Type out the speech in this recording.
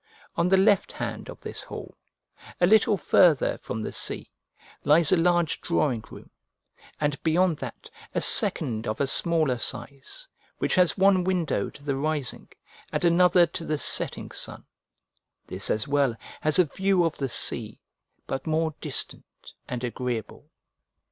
On the left hand of this hall, a little farther from the sea, lies a large drawing room, and beyond that, a second of a smaller size, which has one window to the rising and another to the setting sun: this as well has a view of the sea, but more distant and agreeable.